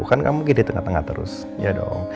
kan kamu gede tengah tengah terus ya dong